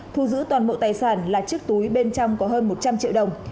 thu giữ toàn bộ tài sản là chiếc túi bên trong có hơn một trăm linh triệu đồng